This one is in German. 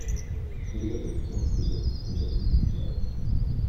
Köhler beschloss jedoch, in Berlin zu bleiben.